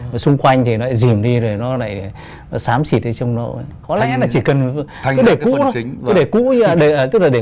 và xung quanh là nó đâm ra nó trắng quá